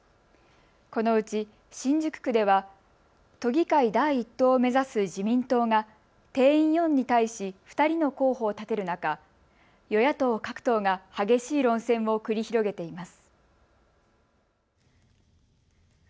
このうち新宿区では都議会第１党を目指す自民党が定員４に対し２人の候補を立てる中、与野党各党が激しい論戦を繰り広げています。